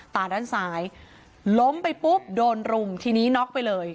ตาด้านซ้ายล้มไปปุ๊บโดนรุมทีนี้น็อกไปเลย